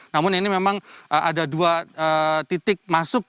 namun ini memang ada dua titik masuk